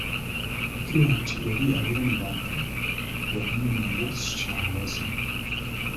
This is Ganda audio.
Bwekiba nti oli abeera mu bantu ng'okunywa omwenge si kya buwaze.